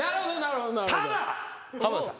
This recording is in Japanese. ただ浜田さん。